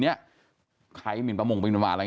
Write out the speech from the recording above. ซึ่งใครมิ่นประมวงบิงประมาณทั้งหมด